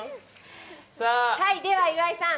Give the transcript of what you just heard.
では、岩井さん